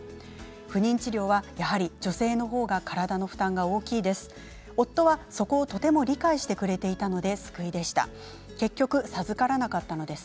不妊治療はやはり女性の方が体の負担が大きいです。